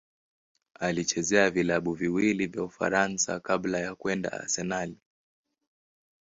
Alichezea vilabu viwili vya Ufaransa kabla ya kwenda Arsenal.